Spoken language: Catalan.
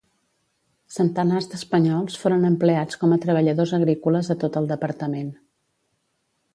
Centenars d'espanyols foren empleats com a treballadors agrícoles a tot el departament.